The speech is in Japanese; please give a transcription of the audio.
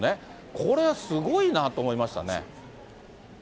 これはすごいなと思いましたね。